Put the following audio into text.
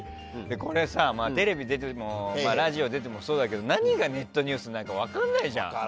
これ、テレビ出てもラジオ出てもそうだけど何がネットニュースになるか分からないじゃん。